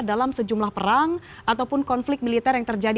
dalam sejumlah perang ataupun konflik militer yang terjadi